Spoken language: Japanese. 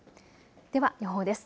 では予報です。